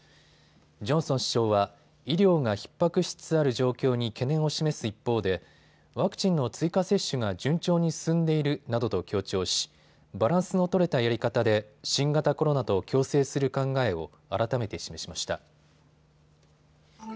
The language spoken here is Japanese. ジョンソン首相は医療がひっ迫しつつある状況に懸念を示す一方でワクチンの追加接種が順調に進んでいるなどと強調しバランスの取れたやり方で新型コロナと共生する考えを改めて示しました。